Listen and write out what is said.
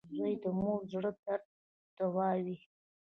• زوی د مور د زړۀ درد دوا وي.